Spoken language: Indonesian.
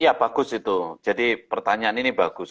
iya bagus itu jadi pertanyaan ini bagus